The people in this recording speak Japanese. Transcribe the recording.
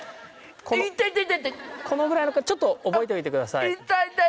このぐらいのちょっと覚えておいてください。